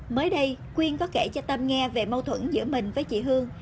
mới đây quyên có kể cho tâm nghe về mâu thuẫn giữa mình với chị hương